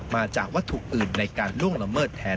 มาจากวัตถุอื่นในการล่วงละเมิดแทน